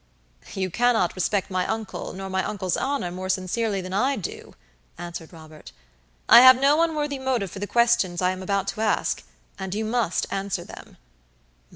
"You cannot respect my uncle or my uncle's honor more sincerely than I do," answered Robert. "I have no unworthy motive for the questions I am about to ask; and you must answer them."